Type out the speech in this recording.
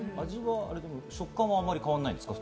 食感は変わらないんですか？